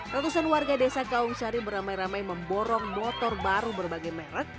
ratusan warga desa kaungsari beramai ramai memborong motor baru berbagai merek